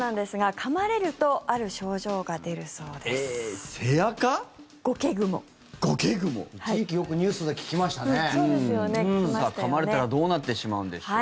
かまれたらどうなってしまうんでしょうか。